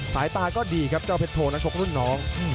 สายตาก็ดีครับเจ้าเพชรโทนักชกรุ่นน้อง